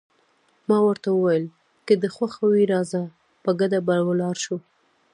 ما ورته وویل: که دې خوښه وي راځه، په ګډه به ولاړ شو.